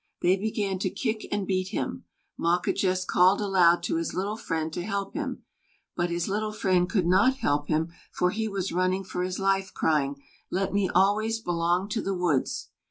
They began to kick and beat him. Mawquejess called aloud to his little friend to help him; but his little friend could not help him, for he was running for his life, crying: "Let me always belong to the woods."